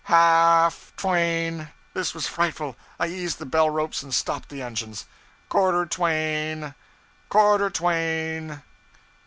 Half twain!' This was frightful! I seized the bell ropes and stopped the engines. 'Quarter twain! Quarter twain!